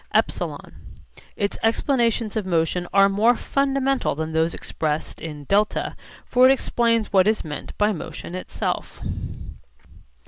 (ε) Its explanations of motion are more fundamental than those expressed in (δ); for it explains what is meant by motion itself.